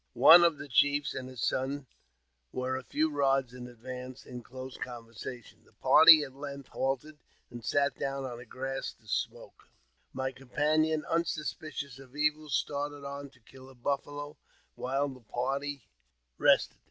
One of the chiefs and his son were a few rods in advance, in close conversation. The party at length halted^ and sat down on the grass to smoke. My companion, un suspicious of evil, started on to kill buffalo while the party rested.